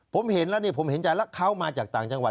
ผมเห็นแล้วเนี่ยผมเห็นใจแล้วเขามาจากต่างจังหวัด